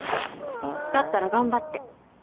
だったら頑張って